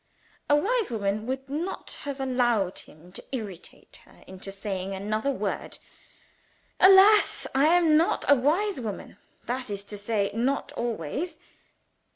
A wise woman would not have allowed him to irritate her into saying another word. Alas! I am not a wise woman that is to say, not always.